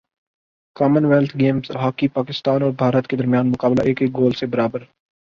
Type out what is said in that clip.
common wealth games hockey Pakistan اور بھارت کے درمیان مقابلہ ایک ایک گول سے برابر